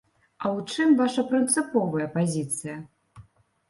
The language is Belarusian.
А ў чым ваша прынцыповая пазіцыя?